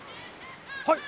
はい！